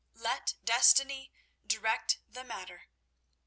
Let destiny direct the matter.